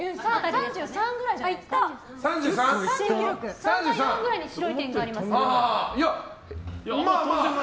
３３か３４くらいに白い点があります。